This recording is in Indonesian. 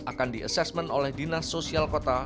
akan di asesmen oleh dinas sosial kota